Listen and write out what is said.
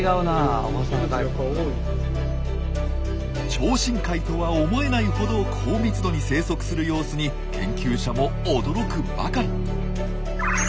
超深海とは思えないほど高密度に生息する様子に研究者も驚くばかり。